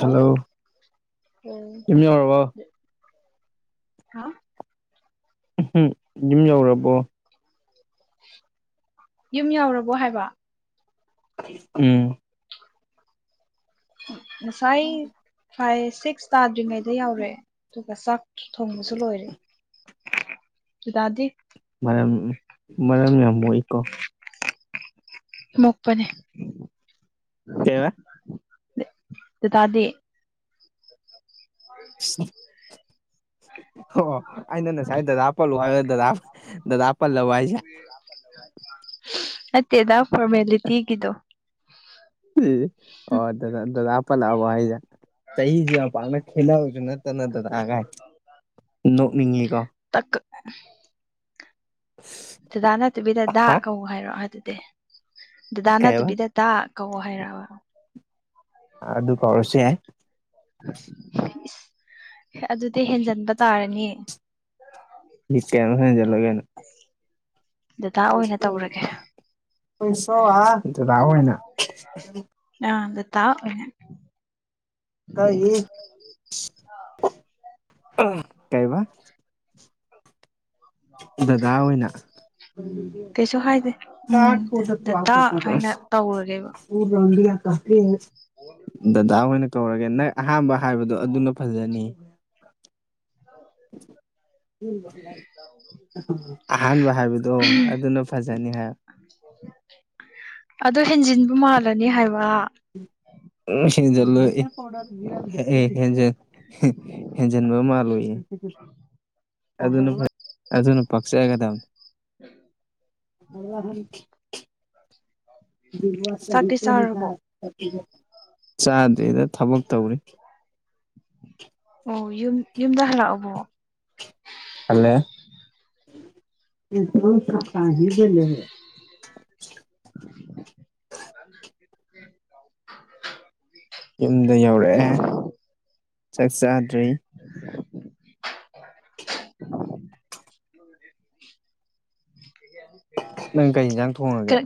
Hello ꯌꯨꯝ ꯌꯧꯔꯕꯣ ꯍꯥ ꯎꯝ ꯌꯨꯝ ꯌꯧꯔꯕꯣ ꯌꯨꯝ ꯌꯧꯔꯕꯣ ꯍꯥꯏꯕ ꯎꯝ ꯉꯁꯥꯏ ꯐꯥꯏꯚ ꯁꯤꯛꯁ ꯇꯥꯗ꯭ꯔꯤꯉꯩꯗ ꯌꯧꯔꯦ ꯑꯗꯨꯒ ꯆꯥꯛ ꯊꯣꯡꯕꯁꯨ ꯂꯣꯏꯔꯦ ꯗꯗꯥꯗꯤ ꯃꯔꯝ ꯃꯔꯝ ꯌꯥꯝ ꯃꯣꯛꯏꯀꯣ ꯃꯣꯛꯄꯅꯦ ꯀꯩꯕ ꯗꯗꯥꯗꯤ [inaudible] ꯑꯣ ꯑꯩꯅ ꯅꯁꯥꯏ ꯗꯗꯥ ꯄꯜꯂꯣ ꯍꯥꯏꯔ ꯗꯗꯥ ꯗꯗꯥ ꯄꯜꯂꯥꯋꯥꯏꯁꯦ ꯅꯠꯇꯦꯗꯥ ꯐꯔꯃꯦꯂꯤꯇꯤꯒꯤꯗꯣ ꯑꯣ ꯗ ꯗ ꯗꯗꯥ ꯄꯜꯂꯛ ꯑꯕꯣ ꯍꯥꯏꯖꯦ ꯆꯍꯤꯖꯨ ꯌꯥꯝ ꯄꯛꯅ ꯈꯦꯠꯅꯕꯖꯨꯅꯠ ꯅꯣꯛꯅꯤꯡꯉꯤꯀꯣ꯫ [inaudible] ꯗꯗꯥ ꯅꯠꯇꯕꯤꯗ ꯗꯥ ꯍꯥ ꯀꯧ ꯍꯥꯏꯔꯣ ꯑꯗꯨꯗꯤ ꯗꯗꯥ ꯀꯩꯕ ꯅꯠꯇꯕꯤꯗ ꯗꯥ ꯀꯧ ꯍꯥꯏꯔꯕ ꯑ ꯑꯗꯨ ꯀꯧꯔꯁꯨ ꯌꯥꯏ ꯏꯁ ꯑꯗꯨꯗꯤ ꯍꯦꯟꯖꯟꯕ ꯇꯥꯔꯅꯤ꯫ [unintelligible] ꯗꯗꯥ ꯑꯣꯏꯅ ꯇꯧꯔꯒꯦ [unintelligible] ꯗꯗꯥ ꯑꯣꯏꯅ ꯑ ꯗꯗꯥ ꯑꯣꯢꯅ [unintelligible] ꯀꯩꯕ ꯗꯗꯥ ꯑꯣꯏꯅ ꯀꯩꯁꯨ ꯍꯥꯏꯗꯦ ꯎꯝ ꯗꯗꯥ ꯍꯥꯏꯅ ꯇꯧꯔꯒꯦꯕ꯫ [unintelligible] ꯗꯗꯥ ꯑꯣꯏꯅ ꯀꯧꯔꯒꯦ ꯅꯪ ꯑꯍꯥꯟꯕ ꯍꯥꯏꯕꯗꯣ ꯑꯗꯨꯅ ꯐꯖꯅꯤ꯫ [unintelligible] ꯑꯍꯥꯟꯕ ꯍꯥꯏꯕꯗꯣ ꯑꯗꯨꯅ ꯐꯖꯅꯤꯍꯦ ꯑꯗꯨ ꯍꯦꯟꯖꯤꯟꯕ ꯃꯥꯜꯂꯅꯤ ꯍꯥꯏꯕ ꯍꯦꯟꯖꯜꯂꯣꯏ ꯏ꯭ꯍ ꯑꯦ ꯍꯦꯟꯖꯟ ꯍꯦꯟꯖꯟꯕ ꯃꯥꯜꯂꯣꯏꯌꯦ ꯑꯗꯨꯅ ꯐꯩ ꯑꯗꯨꯅ ꯄꯛꯆꯒꯗꯕꯅꯤ [inaudible] ꯆꯥꯛꯇꯤ ꯆꯥꯔꯕꯣ [unintelligible] ꯆꯥꯗ꯭ꯔꯤꯗ ꯊꯕꯛ ꯇꯧꯔꯤ ꯑꯣ ꯌꯨꯝ ꯌꯨꯝꯗ ꯍꯂꯛꯑꯕꯣ ꯍꯜꯂꯛꯑꯦ [unintelligible] [inaudible] ꯌꯨꯝꯗ ꯌꯧꯔꯛꯑꯦ ꯆꯥꯛ ꯆꯥꯗ꯭ꯔꯤ [inaudible] [inaudible] ꯅꯪ ꯀꯩ ꯏꯟꯁꯥꯡ ꯊꯣꯡꯉꯒꯦ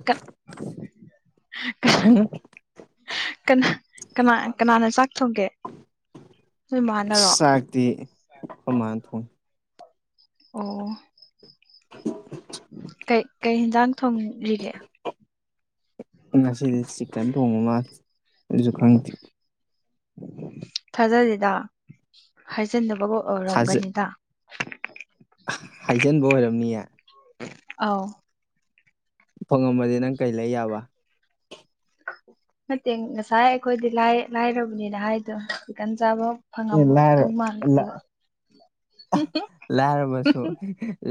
ꯍꯨꯡ ꯀꯅꯥ ꯀꯅꯥ ꯀꯅꯥꯅ ꯆꯥꯛ ꯊꯣꯡꯒꯦ ꯅꯣꯏ ꯃꯥꯅꯔꯣ ꯑ꯭ꯁ ꯆꯥꯛꯇꯤ ꯑꯈꯣꯏꯃꯥꯅ ꯊꯣꯡꯉꯦ ꯑꯣ [inaudible] ꯀꯩ ꯀꯩ ꯏꯟꯖꯥꯡ ꯊꯣꯡꯔꯤꯒꯦ ꯉꯁꯤꯗꯤ ꯆꯤꯛꯀꯟ ꯊꯣꯡꯕ ꯃꯥꯜꯂꯦ ꯑꯩꯖꯨ ꯈꯪꯗꯦ ꯊꯥꯖꯗꯦꯗ ꯍꯥꯏꯖꯟꯅꯕꯒ ꯑꯣꯏꯔꯝꯒꯅꯤꯗ ꯍꯥꯏꯖꯟꯕ ꯑꯣꯏꯔꯝꯅꯤꯌꯦ ꯑꯧ ꯐꯪꯉꯝꯃꯗꯤ ꯅꯪ ꯀꯩ ꯂꯩ ꯌꯥꯕ ꯅꯠꯇꯦ ꯉꯁꯥꯏ ꯑꯩꯈꯣꯏꯗꯤ ꯂꯥꯏ ꯂꯥꯏꯔꯕꯅꯤꯅ ꯍꯥꯏꯗꯣ ꯆꯤꯛꯀꯟ [unintelligible] ꯆꯥꯕ [unintelligible] ꯂꯥꯏꯔ ꯂ ꯃꯥꯟꯗꯕ ꯂꯥꯏꯔꯕꯁꯨ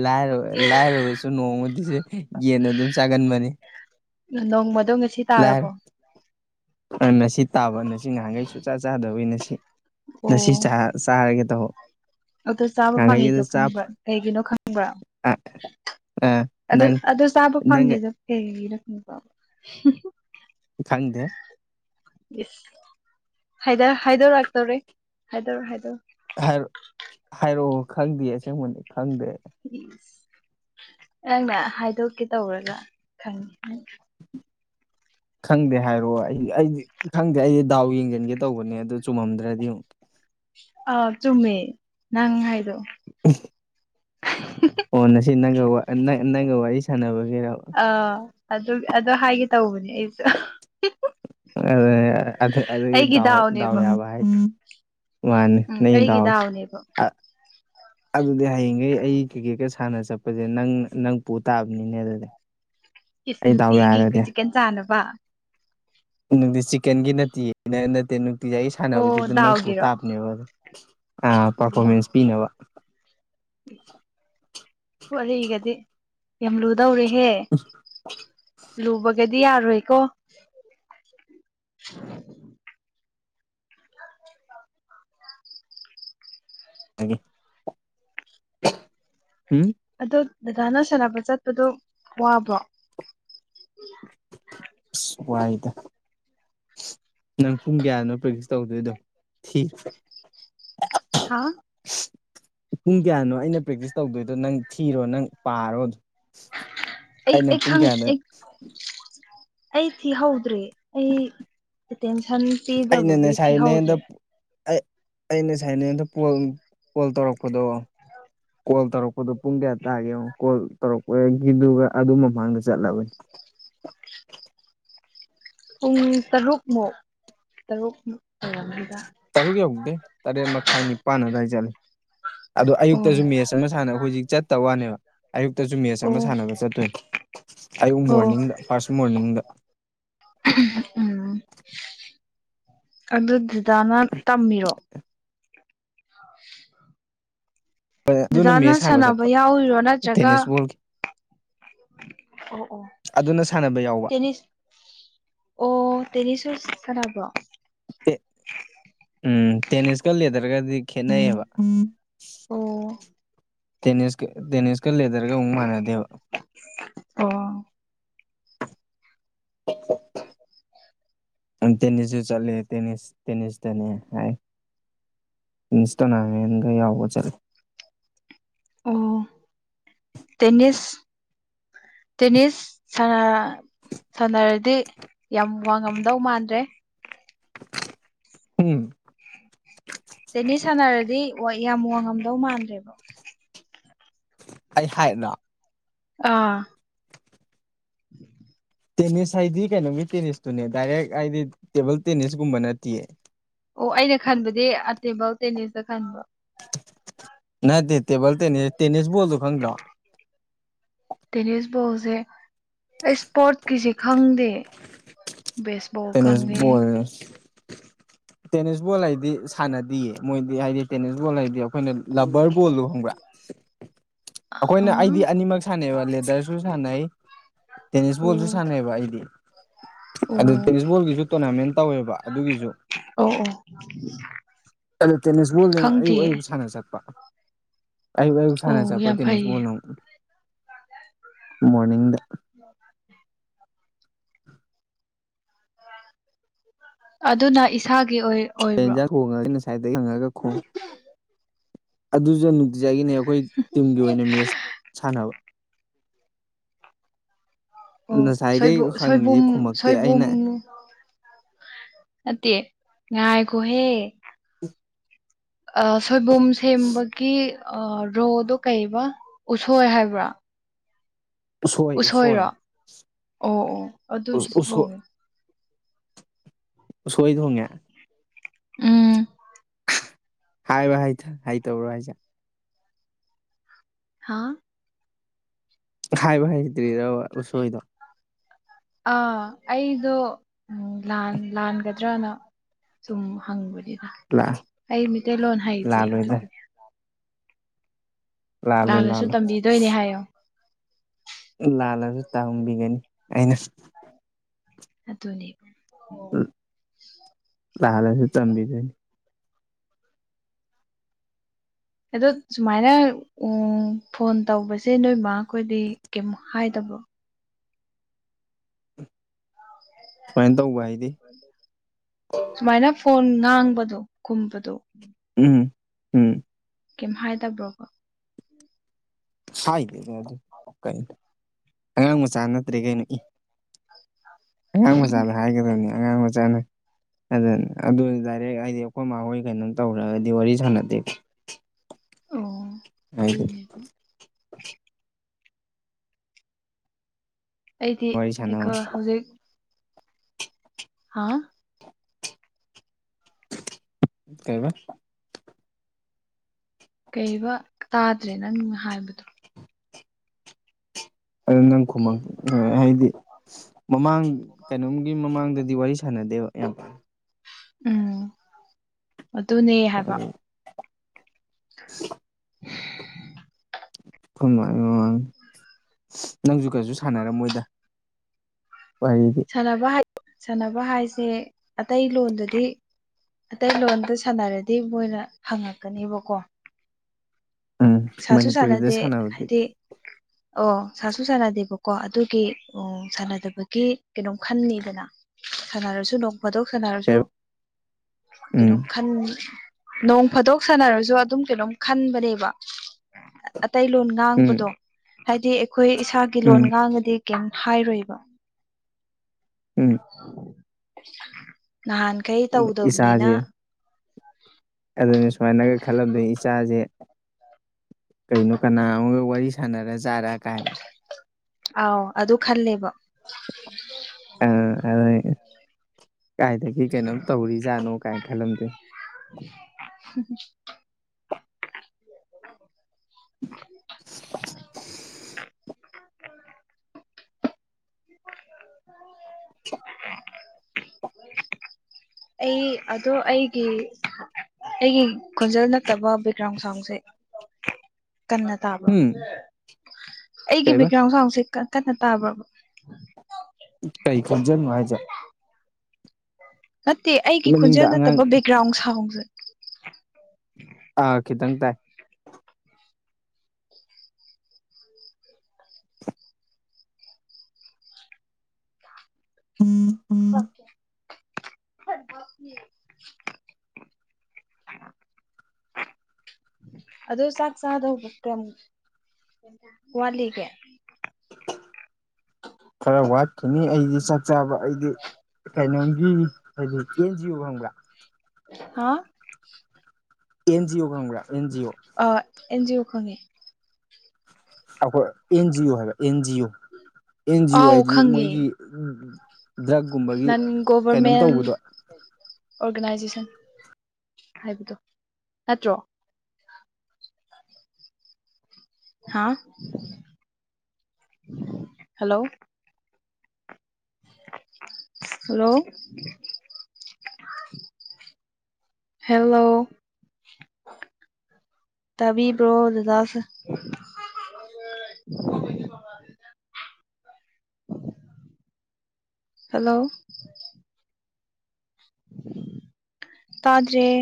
ꯂꯥꯏꯔ ꯂꯥꯏꯔꯕꯁꯨ ꯅꯣꯡꯃꯗꯤꯁꯦ ꯌꯦꯟ ꯑꯗꯨꯝ ꯆꯥꯒꯟꯕꯅꯤ ꯅꯣꯡꯃꯗꯣ ꯉꯁꯤ ꯇꯥꯔꯕꯣ ꯎꯝ ꯅꯁꯤ ꯇꯥꯕ ꯅꯁꯤ ꯉꯍꯥꯟꯈꯩ ꯁꯨꯡꯆꯥ ꯆꯥꯗꯕꯩ ꯅ ꯁꯤ ꯉꯁꯤ ꯆ ꯆꯥꯔꯒꯦ ꯇꯧꯕ ꯑꯗꯣ ꯆꯥꯕ ꯐꯪꯉꯤꯗꯣ ꯉꯍꯥꯟꯈꯩꯗ ꯆꯥ ꯈꯪꯕ꯭ꯔꯥ ꯀꯩꯒꯤꯅꯣ ꯈꯪꯕ꯭ꯔꯥ ꯑ ꯑ ꯑꯗꯨ ꯅꯪ ꯑꯗꯨ ꯆꯥꯕ ꯅꯪ ꯐꯪꯉꯤꯗꯣ ꯀꯩꯒꯤꯅꯣ ꯏꯔꯛꯅꯤꯕ [unintelligible] ꯈꯪꯗꯦ ꯏ꯭ꯁ ꯍꯥꯏꯗ ꯍꯥꯏꯗꯣꯔꯛꯇꯧꯔꯦ ꯍꯥꯏꯗꯣ ꯍꯥꯏꯗꯣ ꯍꯥꯏꯔ ꯍꯥꯏꯔꯛꯑꯣ ꯈꯪꯗꯤꯌꯦ ꯑꯁꯦꯡꯕꯅꯤ ꯈꯪꯗꯦ ꯅꯪꯅ ꯍꯥꯏꯗꯣꯛꯀꯦ ꯇꯧꯔꯒ ꯈꯪꯉꯤ ꯈꯪꯗꯦ ꯍꯥꯏꯔꯛꯑꯣ ꯑꯩ ꯑꯩꯗꯤ ꯈꯪꯗꯦ ꯑꯩꯗꯤ ꯗꯥꯎ ꯌꯦꯡꯖꯟꯒꯦ ꯇꯧꯕꯅꯦ ꯑꯗꯨ ꯆꯨꯝꯃꯝꯗ꯭ꯔꯗꯤ ꯑꯃꯨꯛ ꯑꯥ ꯆꯨꯝꯃꯦ ꯅꯪ ꯍꯥꯏꯗꯣ ꯎꯝ [unintelligible] ꯑꯣ ꯅꯁꯤ ꯅꯪꯒ ꯋꯥ ꯅꯪꯒ ꯋꯥꯔꯤ ꯁꯥꯟꯅꯕꯒꯦꯔꯥꯕ ꯑꯥ ꯑꯗꯨ ꯑꯗꯨ ꯍꯥꯏꯒꯦ ꯇꯧꯕꯅꯦ ꯑꯩꯁꯨ ꯑ [unintelligible] ꯑꯗꯨ ꯑꯗꯨꯒꯤ ꯑꯩꯒꯤ ꯗꯥꯎ ꯗꯥꯎ ꯗꯥꯎꯅꯦꯕ ꯌꯥꯕ ꯍꯥꯏ ꯋꯥꯅꯦ [unintelligible] ꯎꯝ ꯑꯩꯒꯤ ꯅꯪꯒꯤꯗꯥꯎꯁꯤ ꯗꯥꯎꯅꯦꯕ ꯑ ꯑꯗꯨꯗꯤ ꯍꯌꯦꯡꯈꯩ ꯑꯩ ꯀꯤꯔꯛꯀꯦꯠꯀ ꯁꯥꯟꯅ ꯆꯠꯄꯁꯦ ꯅꯪ ꯅꯪ ꯄꯨ ꯇꯥꯕꯅꯤꯅꯦ ꯑꯗꯨꯗꯤ ꯏ꯭ꯁ ꯑꯩ ꯗꯥꯎ ꯅꯅꯨꯡꯇꯤꯒꯤ ꯀ ꯌꯥꯔꯗꯤ ꯆꯤꯛꯀꯟ ꯆꯥꯅꯕ ꯅꯨꯡꯗꯤ ꯆꯤꯛꯀꯟꯒꯤ ꯅꯠꯇꯤꯌ‌ꯦꯅ ꯅꯠꯇꯦ ꯅꯨꯡꯇꯤꯖꯥꯏꯒꯤ ꯑꯣ ꯁꯥꯟꯅꯕꯖꯤꯗꯥ ꯅꯪ ꯄꯨ ꯗꯥꯎꯒꯤꯔꯣ ꯇꯥꯞꯅꯦꯕ ꯑꯥ ꯄꯥꯔꯐꯣꯔꯃꯦꯟꯁ ꯄꯤꯅꯕ ꯋꯔꯤꯒꯗꯤ ꯌꯥꯝ ꯂꯨꯗꯧꯔꯦꯍꯦ ꯂꯨꯕꯒꯗꯤ ꯌꯥꯔꯣꯏꯀꯣ [unintelligible] ꯎꯝ ꯑꯗꯣ ꯗꯗꯥꯅ ꯁꯥꯟꯅꯕ ꯆꯠꯄꯗꯣ ꯋꯥꯕ꯭ꯔꯣ ꯑꯁ ꯋꯥꯏꯗ ꯅꯪ ꯄꯨꯡ ꯀꯌꯥꯅꯣ ꯄ꯭ꯔꯦꯛꯇꯤꯁ ꯇꯧꯗꯣꯏꯗꯣ ꯊꯤ ꯍꯥ ꯄꯨꯡ ꯀꯌꯥꯅꯣ ꯑꯩꯅ ꯄ꯭ꯔꯦꯛꯇꯤꯁ ꯇꯧꯗꯣꯏꯗꯣ ꯅꯪ ꯊꯤꯔꯣ ꯅꯪ ꯄꯥꯔꯣ ꯑꯩ ꯑꯩꯅ ꯑꯩ ꯄꯨꯡ ꯈꯪ ꯀꯌꯥꯅ‌ꯣ ꯑꯩ ꯑꯩ ꯐꯤ ꯍꯧꯗ꯭ꯔꯤ ꯑꯩ ꯑꯦꯇꯦꯟꯁꯟ ꯑꯩꯅꯅ‌ꯦ ꯄꯤꯗꯕꯒꯤ ꯉꯁꯥꯏ ꯊꯤꯍꯧꯗ꯭ꯔꯦ ꯅ‌ꯦꯟꯗꯞ ꯑꯩ ꯑꯩꯅ ꯁꯥꯏꯅꯦ ꯗ‌ꯣ ꯀ‌ꯣꯜ ꯀꯣꯜ ꯇꯧꯔꯛꯄꯗꯣ ꯀꯣꯜ ꯇꯧꯔꯛꯄꯗꯣ ꯄꯨꯡ ꯀꯌꯥ ꯇꯥꯔꯒꯦ ꯌꯦꯡꯉꯣ ꯀꯣꯜ ꯇꯧꯔꯛꯄꯒꯤꯗꯨ ꯑꯗꯨ ꯃꯃꯥꯡꯗ ꯆꯠꯂꯕꯅꯤ ꯄꯨꯡ ꯇꯔꯨꯛꯃꯨꯛ ꯇꯔꯨꯛꯃꯨꯛ ꯑꯣꯏꯔꯝꯃꯅꯤꯗ ꯇꯔꯨꯛ ꯌꯧꯗꯦ ꯇꯔꯦꯠ ꯃꯈꯥꯏ ꯅꯤꯄꯥꯟ ꯑꯗꯥꯏ ꯆꯠꯂꯦ ꯑꯗꯣ ꯑꯣ ꯑꯌꯨꯛꯇꯁꯨ ꯃꯦꯠꯆ ꯑꯃ ꯁꯥꯟꯅ ꯍꯧꯖꯤꯛ ꯆꯠꯇ ꯋꯥꯅꯦꯕ ꯑꯌꯨꯛꯇꯖꯨ ꯃꯦꯁ ꯑꯣ ꯑꯥꯃ ꯁꯥꯅꯕ ꯆꯠꯇꯣꯏꯟ ꯑꯌꯨꯛ ꯑꯣ ꯃꯣꯔꯅꯤꯡꯗ ꯐꯥꯔꯁ ꯃꯣꯔꯅꯤꯡꯗ ꯎꯝ ꯑꯗꯨ ꯗꯤꯗꯥꯅ ꯇꯝꯃꯤꯔꯣ ꯑꯗꯨꯅ ꯗꯗꯥꯅ ꯃꯦꯠꯆ ꯁꯥꯟꯅꯕ ꯆꯠꯄ ꯌꯥꯎꯔꯤꯔꯣ ꯅꯠꯇ꯭ꯔꯒ ꯇꯦꯅꯤꯁ ꯕꯣꯜꯒꯤ ꯑꯣ ꯑꯣ ꯑꯗꯨꯅ ꯁꯥꯟꯅꯕ ꯌꯥꯎꯕ ꯇꯦꯅꯤꯁ ꯑꯣ ꯇꯦꯅꯤꯁꯁꯨ ꯁꯥꯟꯅꯕ꯭ꯔꯣ ꯑꯦ ꯎꯝ ꯇꯦꯅꯤꯁꯀ ꯂꯦꯗꯔꯒꯗꯤ ꯈꯦꯅꯩꯌꯦꯕ ꯑꯣ ꯇꯦꯅꯤꯁꯀ ꯇꯦꯅꯤꯁꯀ ꯂꯦꯗꯔꯒ ꯑꯃꯨꯛ ꯃꯥꯟꯅꯗꯦꯕ ꯑꯣ [unintelligible] ꯑꯪ ꯇꯦꯅꯤꯁꯖꯨ ꯆꯠꯂꯦ ꯇꯦꯅꯤꯁ ꯇꯦꯅꯤꯁꯇꯅꯦ ꯍꯥꯏ ꯏꯟꯁ ꯇꯣꯔꯅꯥꯃꯦꯟꯒ ꯌꯥꯎꯕ ꯆꯠꯂꯦ ꯑꯣ ꯇꯦꯅꯤꯁ ꯇꯦꯅꯤꯁ ꯁꯥꯅꯔ ꯁꯥꯅꯔꯗꯤ ꯌꯥꯝ ꯋꯥꯉꯝꯗꯧ ꯃꯥꯟꯗ꯭ꯔꯦ ꯎꯝ ꯇꯦꯅꯤꯁ ꯁꯥꯅꯔꯗꯤ ꯋ ꯌꯥꯝ ꯋꯥꯡꯉꯝꯗꯧ ꯃꯥꯟꯗ꯭ꯔꯦꯕ ꯑꯩ ꯍꯥꯏꯠꯅ‌ꯣ ꯑꯥ [inaudible] ꯇꯦꯅꯤꯁ ꯍꯥꯏꯗꯤ ꯀꯩꯅꯣꯒꯤ ꯇꯦꯅꯤꯁꯇꯨꯅꯦ ꯗꯥꯏꯔꯦꯛ ꯍꯥꯏꯗꯤ ꯇꯦꯕꯜ ꯇꯦꯅꯤꯁ ꯒꯨꯝꯕ ꯅꯠꯇꯤꯌꯦ ꯑꯣ ꯑꯩꯅ ꯈꯟꯕꯗꯤ ꯑꯥ ꯇꯦꯕꯜ ꯇꯦꯅꯤꯁꯇ ꯈꯟꯕ ꯅꯠꯇꯦ ꯇꯦꯕꯜ ꯇꯦꯅꯤ ꯇꯦꯅꯤꯁ ꯕꯣꯜꯗꯣ ꯈꯪꯗ꯭ꯔꯣ [unintelligible] ꯇꯦꯅꯤꯁ ꯕꯣꯜꯖ‌ꯦ ꯑꯩ ꯁ꯭ꯄꯣꯠꯀꯤꯖ‌ꯦ ꯈꯪꯗꯦ ꯕꯦꯁꯕꯣꯜ ꯈꯪꯉꯦ ꯌ‌ꯦꯁ ꯇꯦꯅꯤꯁ ꯕꯣꯜ ꯍꯥꯏꯗꯤ ꯁꯥꯟꯅꯗꯤꯌꯦ ꯃꯣꯏꯗꯤ ꯍꯥꯏꯗꯤ ꯇꯦꯅꯤꯁ ꯕꯣꯜ ꯍꯥꯏꯗꯤ ꯑꯩꯈꯣꯏꯅ ꯂꯕꯔ ꯕꯣꯜꯗꯣ ꯈꯪꯕ꯭ꯔ꯫ ꯑ ꯑꯩꯈꯣꯏꯅ ꯑꯩꯗꯤ ꯑꯅꯤꯃꯛ ꯁꯥꯟꯅꯩꯕ ꯂꯦꯗꯔꯁꯨ ꯁꯥꯟꯅꯩ꯫ ꯇꯦꯅꯤꯁ ꯑꯣ ꯕꯣꯜꯁꯨ ꯁꯥꯟꯅꯩꯕ ꯑꯩꯗꯤ꯫ ꯑꯗꯨ ꯑꯣ ꯇꯦꯅꯤꯁ ꯕꯣꯜꯒꯤꯁꯨ ꯇꯣꯔꯅꯥꯃꯦꯟ ꯇꯧꯋꯦꯕ ꯑꯗꯨꯒꯤꯖꯨ ꯑꯣ ꯑꯣ ꯑꯗꯣ ꯇꯦꯅꯤꯁ ꯕꯣꯜꯅ ꯑꯌꯨꯛ ꯑꯌꯨꯛ ꯁꯥꯟꯅ ꯆꯠꯄ ꯑꯌꯨꯛ ꯑꯌꯨꯛ ꯑꯣ ꯁꯥꯟꯅ ꯆꯠꯄ ꯌꯥꯝ ꯇꯦꯅꯤꯁ ꯐꯩꯌꯦ ꯕꯣꯜꯅ ꯑꯃꯨꯛ꯫ ꯃꯣꯔꯅꯤꯡꯗ [inaudible] [inaudible] ꯑꯗꯨꯅ ꯏꯁꯥꯒꯤ ꯑꯣꯏ ꯑꯣꯏꯕ꯭ꯔꯣ ꯀꯩꯏꯟꯖꯥꯡ ꯊꯣꯡꯉꯒꯦ ꯉꯁꯥꯏꯗꯩ ꯍꯪꯉꯒ ꯈꯨ ꯑꯗꯨꯖꯨ ꯅꯨ ꯇꯤꯖꯥꯏꯒꯤꯅꯦꯕ ꯑꯩꯈꯣꯏ ꯇꯤꯝꯒꯤ ꯑꯣꯏꯅ ꯃꯦꯁ ꯁꯥꯟꯅꯕ꯫ ꯑꯣ ꯉꯁꯥꯏꯈꯩ ꯁꯣꯏꯕꯣ ꯍꯪꯉꯤꯁꯦ ꯁꯣꯏꯕꯨꯝ ꯈꯨꯝꯃꯛꯇꯦ ꯑꯩꯅ ꯁꯣꯏꯕꯨꯝꯨ ꯅꯠꯇꯦ ꯉꯥꯏꯈꯣꯍꯦ [inaudible] ꯑꯥ ꯁꯣꯏꯕꯨꯝ ꯁꯦꯝꯕꯒꯤ ꯑꯥ ꯔꯣꯗꯣ ꯀꯩꯕ ꯎꯁꯣꯏ ꯍꯥꯏꯕ꯭ꯔꯥ꯫ ꯎꯁꯣꯏ ꯎꯁꯣꯏ ꯎꯁꯣꯏꯔꯣ ꯑꯣ ꯑꯣ ꯑꯗꯨꯗꯨꯁꯨ ꯍꯣꯡꯉꯦ ꯎꯁꯣꯏ ꯊꯣꯡꯉꯦ ꯎꯝ ꯍꯥꯏꯕ ꯍꯩꯊ ꯍꯩ ꯇꯧꯔ ꯍꯥꯏꯖꯦ꯫ ꯍꯥꯥ ꯍꯥꯏꯕ ꯍꯥꯏꯇ꯭ꯔꯤꯔꯕ ꯎꯁꯣꯏꯗꯣ꯫ ꯑꯥ ꯑꯩꯗꯣ ꯂꯥꯟ ꯂꯥꯟꯒꯗ꯭ꯔꯅ꯫ ꯁꯨꯝ ꯍꯪꯕꯅꯤꯗ ꯑꯩ ꯃꯤꯇꯩꯩꯂꯣꯟ ꯍꯩꯇꯦ ꯂꯥꯜꯂꯣꯏꯗ ꯑꯗꯨꯒꯤꯗꯤ꯫ ꯂꯥꯜꯂꯣꯏ ꯂꯥꯜꯂꯁꯨ ꯂꯥꯜꯂꯣꯏ ꯇꯝꯕꯤꯗꯣꯏꯅꯦ ꯍꯥꯏꯌꯣ꯫ ꯂꯥꯜꯂꯖꯨ ꯇꯥꯝꯕꯤꯒꯅꯤ ꯑꯩꯅ꯫ ꯑꯗꯨꯅꯤ ꯂꯥꯜꯂꯁꯨ ꯇꯝꯕꯤꯗꯣꯏꯅꯤ ꯫ ꯑꯗꯣ ꯁꯨꯃꯥꯏꯅ꯫ ꯑꯣ ꯐꯣꯟ ꯇꯧꯕꯁꯦ ꯅꯣꯏꯃꯥ ꯈꯣꯏꯗꯤ ꯀꯩꯝ ꯍꯥꯏꯗꯕ꯭ꯔꯣ꯫ [inaudible] ꯁꯨꯃꯥꯏꯟ ꯇꯧꯕ ꯍꯥꯏꯗꯤ꯫ ꯁꯨꯃꯥꯏꯅ ꯐꯣꯟ ꯉꯥꯡꯕꯗꯣ ꯈꯨꯝꯕꯗꯣ ꯫ ꯎꯝ ꯎꯝ ꯀꯦꯝ ꯍꯥꯏꯗꯕ꯭ꯔꯣꯕ꯫ ꯍꯥꯏꯗꯦꯗ ꯑꯗꯨ ꯀꯩꯟ ꯑꯉꯥꯡ ꯃꯆꯥ ꯅꯠꯇ꯭ꯔꯦ ꯀꯩꯅꯣ ꯏ꯫ ꯑꯉꯥꯡ ꯃꯆꯥꯗ ꯍꯥꯏꯒꯗꯝꯅꯤ ꯑꯉꯥꯡ ꯃꯆꯥꯅ꯫ ꯑꯗꯨꯅ ꯑꯗꯨ ꯗꯥꯏꯔꯦꯛ ꯑꯩꯗꯤ ꯑꯩꯈꯣꯏ ꯃꯥꯍꯣꯏ ꯀꯩꯅꯣ ꯇꯧꯔꯦ ꯍꯥꯏꯔꯗꯤ ꯋꯥꯔꯤ ꯁꯥꯟꯅꯗꯦ꯫ ꯑꯣ ꯍꯥꯏꯗꯤ ꯑꯗꯨꯅꯦꯕꯣ꯫ ꯑꯩꯗꯤ ꯋꯥꯔꯤ ꯁꯥꯟꯅꯕ ꯑꯩꯈꯣ ꯍꯧꯖꯤꯛ ꯍꯥꯥ ꯀꯩꯕ ꯀꯩꯕ ꯇꯥꯗ꯭ꯔꯦ ꯅꯪ ꯍꯥꯏꯕꯗꯣ ꯑꯗꯨ ꯅꯪ ꯈꯨꯃꯪ ꯍꯥꯏꯗꯤ ꯃꯃꯥꯡ ꯀꯩꯅꯝ ꯃꯃꯥꯡꯗꯗꯤ ꯋꯥꯔꯤ ꯁꯥꯟꯅꯗꯦꯕ ꯌꯥꯝ ꯎꯝ ꯑꯗꯨꯅꯦ ꯍꯥꯏꯕ ꯑꯩꯈꯣꯏ [inaudible] ꯈꯣꯏꯃꯥ ꯃꯃꯥꯡ ꯅꯪꯁꯨ ꯀꯩꯁꯨ ꯁꯥꯟꯅꯔꯝ ꯃꯣꯏꯗ ꯋꯔꯤꯗꯤ ꯁꯥꯟꯅꯕ ꯍꯥꯏ ꯁꯥꯟꯅꯕ ꯍꯥꯏꯁꯦ ꯑꯇꯩ ꯂꯣꯟꯗꯗꯤ ꯑꯇꯩ ꯂꯣꯟꯗ ꯁꯥꯟꯅꯔꯗꯤ ꯃꯣꯏꯅ ꯍꯪꯉꯛꯀꯅꯦꯕꯀꯣ ꯎꯝ ꯁꯥꯁꯨ ꯃꯅꯤꯄꯨꯔꯤꯗ ꯁꯥꯟꯅꯗꯦ ꯁꯅꯥꯕꯗꯤ ꯍꯥꯏꯗꯤ ꯑꯣ ꯁꯥꯁꯨ ꯁꯥꯟꯅꯗꯦꯕꯀꯣ ꯑꯗꯨꯒꯤ ꯎ ꯁꯥꯟꯅꯗꯕꯒꯤ ꯀꯩꯅꯣꯝ ꯈꯟꯅꯤꯗꯅ ꯁꯥꯟꯅꯔꯁꯨ ꯅꯣꯡꯐꯗꯣꯛ ꯁꯥꯟꯅꯔꯁꯨ ꯀꯩꯕ ꯀꯩꯅꯣꯝ ꯎꯝ ꯈꯟ ꯅꯣꯡ ꯐꯥꯗꯣꯛ ꯁꯥꯟꯅꯔꯁꯨ ꯑꯗꯨꯝ ꯀꯩꯅꯣꯝ ꯈꯟꯕꯅꯦꯕ ꯑꯇꯩ ꯂꯣꯟ ꯎꯝ ꯉꯥꯡꯕꯗꯣ ꯍꯥꯏꯗꯤ ꯑꯩꯈꯣꯏ ꯏꯁꯥꯒꯤ ꯂꯣꯟ ꯎꯝ ꯉꯥꯡꯉꯗꯤ ꯀꯩꯝ ꯍꯥꯏꯔꯣꯏꯕ ꯎꯝ ꯅꯍꯥꯟꯈꯩ ꯇꯧꯗꯕꯅꯤꯅ ꯑꯗꯨꯅ ꯁꯨꯃꯥꯏꯅꯒ ꯈꯜꯂꯕꯗ ꯏꯆꯖꯦ ꯀꯩꯅꯣ ꯀꯅꯥ ꯑꯃꯒ ꯋꯥꯔꯤ ꯁꯥꯟꯅꯔꯖꯥꯔꯥ ꯀꯥꯏꯅ ꯑꯥꯎ ꯑꯗꯨ ꯈꯜꯂꯦꯕ ꯑꯥ ꯑꯗꯨꯏ ꯀꯥꯏꯗꯒꯤ ꯀꯩꯅꯣꯝ ꯇꯧꯔꯤꯖꯥꯠꯅꯣ ꯀꯥꯏꯅ ꯈꯜꯂꯝꯗꯣꯏ [unintelligible] [unintelligible] [unintelligible] ꯑꯩ ꯑꯗꯣ ꯑꯩꯒꯤ ꯑꯩꯒꯤ ꯈꯣꯟꯖꯦꯜ ꯅꯠꯇꯕ ꯕꯦꯛꯗꯔꯣꯟ ꯁꯥꯎꯟꯁꯦ ꯀꯟꯅ ꯇꯥꯕꯔꯣ ꯍꯨꯝ ꯑꯩꯒꯤ ꯀꯩꯕ ꯕꯦꯛꯒ꯭ꯔꯥꯎꯟ ꯆꯥꯎꯥꯎꯁꯦ ꯀꯟꯅ ꯇꯥꯕ꯭ꯔꯕ ꯀꯩ ꯈꯣꯟꯖꯦꯜꯅꯣ ꯍꯥꯏꯁꯦ ꯅꯠꯇꯦ ꯑꯩꯒꯤ ꯃꯅꯤꯡꯗ ꯈꯣꯟꯖꯦꯜ ꯑꯉꯥꯡ ꯅꯠꯇꯕ ꯕꯦꯛꯒ꯭ꯔꯥꯎꯟ ꯁꯥꯎꯟꯁꯦ ꯑꯥ ꯈꯤꯇꯪ ꯇꯥꯏ [unintelligible] ꯑꯗꯣ ꯆꯥꯛ ꯆꯥꯗꯧꯕ ꯀꯝ ꯋꯥꯠꯂꯤꯒꯦ ꯈꯔ ꯋꯥꯠꯈꯤꯅꯤ ꯑꯩꯗꯤ ꯆꯥꯛ ꯆꯥꯕ ꯑꯩꯗꯤ ꯀꯩꯅꯣꯝꯒꯤ ꯍꯥꯏꯗꯤ ꯑꯦꯟ ꯖꯤ ꯑꯣ ꯍꯪꯕꯔꯥ ꯍꯥ ꯑꯦꯟ ꯖꯤ ꯑꯣ ꯈꯪꯕꯔꯥ ꯑꯦꯟ ꯖꯤ ꯑꯣ ꯑ ꯑꯦꯟ ꯖꯤ ꯑꯣ ꯈꯪꯉꯦ ꯑꯩꯈꯣꯏ ꯑꯦꯟꯖꯤ ꯑꯣ ꯍꯥꯏꯕ N G O N G O ꯑꯥꯎ ꯍꯥꯏꯗꯤ ꯈꯪꯉꯦ, ꯃꯣꯏꯒꯤ ꯗ꯭ꯔꯛꯒꯨꯝꯕꯒꯤ ꯅꯟ ꯀꯩꯅꯣꯝ ꯒꯣꯚꯔꯃꯦꯟ ꯇꯧꯕꯗꯣ ꯑꯣꯔꯒꯅꯥꯏꯖꯦꯁꯟ ꯍꯥꯏꯕꯗꯣ ꯅꯠꯇ꯭ꯔꯣ ꯍꯥ ꯍꯦꯂꯣ ꯍꯜꯂꯣ ꯍꯦꯜꯂꯣ ꯇꯕꯤꯕ꯭ꯔꯣ ꯗꯗꯥꯁꯦ ꯍꯦꯜꯂꯣ ꯇꯥꯗꯔ꯭ꯦ